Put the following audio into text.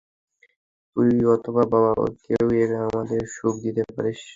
তুই, অথবা বাবা কেউই আমাদের সুখ দিতে পারিসনি।